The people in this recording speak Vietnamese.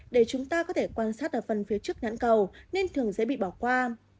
để chúng ta có thể quan sát ở phần phía trước nãn cầu nên thường dễ bị bỏ qua